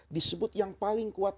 disebut yang paling kuat